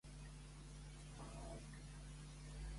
Qui és Guillem De Norwich?